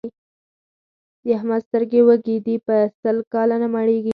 د احمد سترګې وږې دي؛ په سل کاله نه مړېږي.